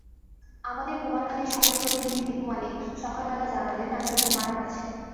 আমাদের কুমারখালীর সাবেক প্রতিনিধি দীপু মালিক সকাল বেলা জানালেন, নাসির ভাই মারা গেছেন।